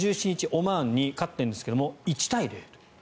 オマーンに勝っているんですが１対０という。